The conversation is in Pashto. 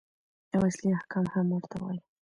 او اصلي احکام هم ورته وايي.